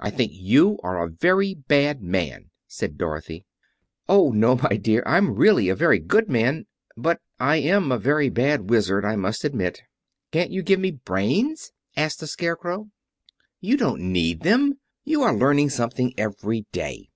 "I think you are a very bad man," said Dorothy. "Oh, no, my dear; I'm really a very good man, but I'm a very bad Wizard, I must admit." "Can't you give me brains?" asked the Scarecrow. "You don't need them. You are learning something every day.